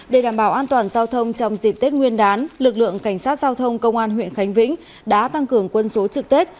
để đảm bảo an toàn giao thông trong dịp tết nguyên đán lực lượng cảnh sát giao thông công an huyện khánh vĩnh đã tăng cường quân số trực tết